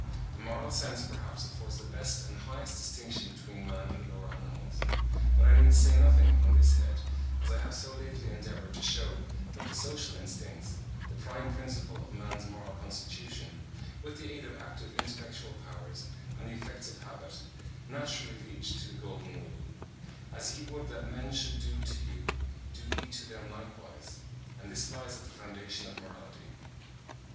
The moral sense perhaps affords the best and highest distinction between man and the lower animals; but I need say nothing on this head, as I have so lately endeavoured to shew that the social instincts,—the prime principle of man's moral constitution (50. 'The Thoughts of Marcus Aurelius,' etc., p. 139.)—with the aid of active intellectual powers and the effects of habit, naturally lead to the golden rule, "As ye would that men should do to you, do ye to them likewise;" and this lies at the foundation of morality.